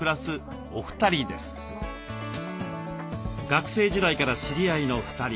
学生時代から知り合いの２人。